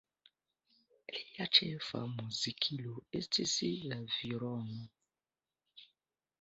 Lia ĉefa muzikilo estis la violono.